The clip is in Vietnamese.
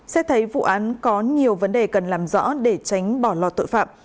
xét thấy vụ án có nhiều vấn đề cần làm rõ để tránh bỏ lọt tội phạm